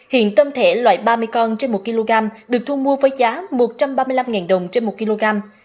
hiện tôm thể loại ba mươi con trên một kg được thu mua với giá một trăm ba mươi năm đồng trên một kg